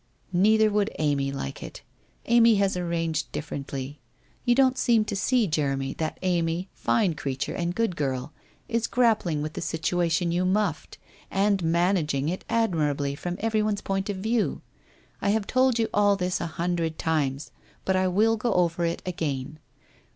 1 Neither would Amy like it. Amy has arranged dif ferently. You don't seem to see, Jeremy, that Amy, fine creature and good girl, is grappling with the situation you muffed, and managing it admirably from everyone's point of view. I have told you all this a hundred times, but I will go over it again.